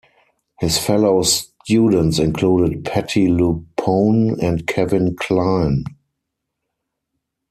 His fellow students included Patti LuPone and Kevin Kline.